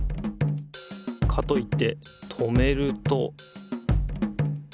かといって止めると。